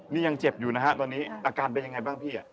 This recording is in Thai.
นี่ยังเจ็บอยู่นะฮะตอนนี้อาการเป็นยังไงบ้างพี่